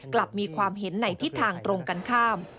กลับมีความเห็นในทิศทางตรงกันข้าม